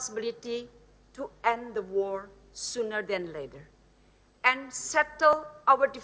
keputusan kita untuk mengakhiri perang lebih cepat daripada kemudian